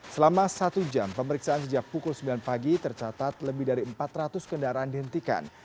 selama satu jam pemeriksaan sejak pukul sembilan pagi tercatat lebih dari empat ratus kendaraan dihentikan